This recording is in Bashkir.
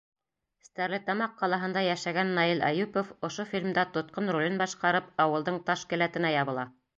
Стәрлетамаҡ ҡалаһында йәшәгән Наил Әйүпов ошо фильмда тотҡон ролен башҡарып, ауылдың таш келәтенә ябыла.